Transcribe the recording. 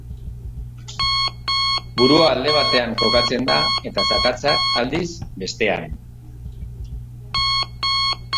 Burua alde batean kokatzen da, eta zakatzak, aldiz, bestean.